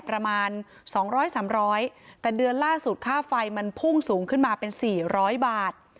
ประมาณ๒๐๐๓๐๐แต่เดือนล่าสุดค่าไฟมันพุ่งสูงขึ้นมาเป็น๔๐๐บาท